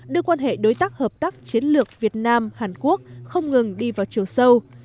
đưa quan hệ đối tác hợp tác chiến lược việt nam hàn quốc không ngừng đi vào chiều sâu